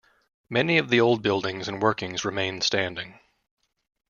Many of the old buildings and workings remain standing.